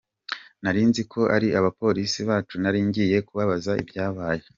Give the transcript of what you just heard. Narinziko ari abapolisi bacu nari ngiye kubabaza ibyabaye.